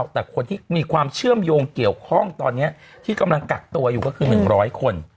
แต่คนที่มีความเชื่อมโยงเกี่ยวข้องตอนนี้ที่กำลังกักตัวอยู่ก็คือ๑๐๐คน